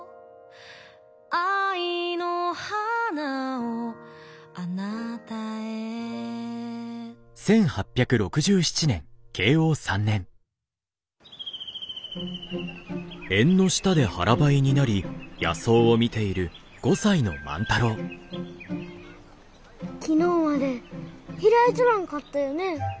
「愛の花を貴方へ」昨日まで開いちょらんかったよね？